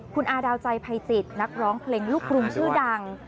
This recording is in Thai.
คุณอาดาวใจภัยจิตนักร้องเพลงลูกกรุงชื่อดัง